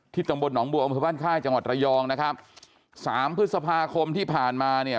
ที่ตรงบนหนองบัวอัมพบันค่าจังหวัดระยองนะครับสามพฤษภาคมที่ผ่านมาเนี่ย